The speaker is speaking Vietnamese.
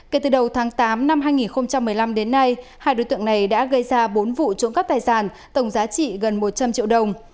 kể từ đầu tháng tám năm hai nghìn một mươi năm đến nay hai đối tượng này đã gây ra bốn vụ trộm cắp tài sản tổng giá trị gần một trăm linh triệu đồng